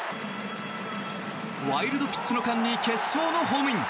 ワイルドピッチの間に決勝のホームイン。